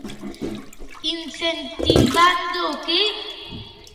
¿Incentivando o que?